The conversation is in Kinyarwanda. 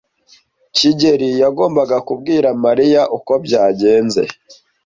kigeli yagombaga kubwira Mariya uko byagenze.